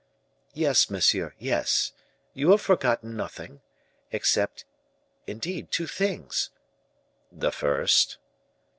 "Yes, monsieur, yes; you have forgotten nothing except, indeed, two things." "The first?"